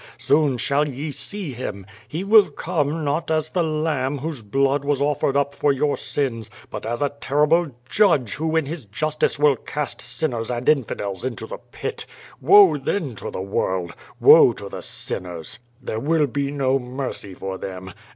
Soon shall ye see Him. He will come not as the Lamb whose blood was offered up for your sins, but as a terrible Judge who in his justice will cast sinners and infidels into the pit. Woe then to tlie world! Woe to the sinners! There will be no mercy for them.